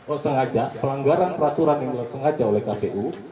oh sengaja pelanggaran peraturan yang dibuat sengaja oleh kpu